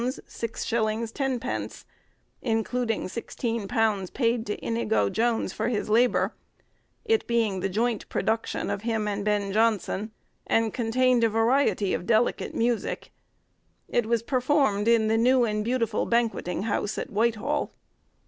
_, including £16 paid to Inigo Jones, for his labour; it being the joint production of him and Ben Jonson, and contained a variety of delicate music. It was performed in the new and beautiful banquetting house, at Whitehall.